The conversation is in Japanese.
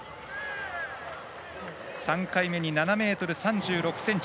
３回目に７ｍ３６ｃｍ。